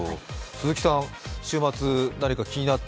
鈴木さん、週末何か気になった